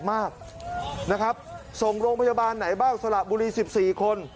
มากนะครับส่งโรงพยาบาลไหนบ้างสละบุรี๑๔คน